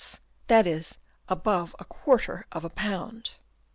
— that is, above a quarter of a pound